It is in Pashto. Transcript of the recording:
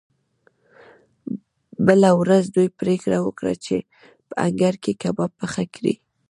بله ورځ دوی پریکړه وکړه چې په انګړ کې کباب پخ کړي